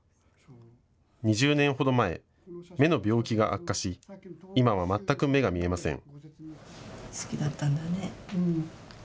２０年ほど前、目の病気が悪化し今は全く目が見えません。